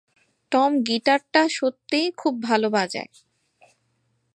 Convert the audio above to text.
Tom গীটারটা সত্যিই খুব ভালো বাজায়।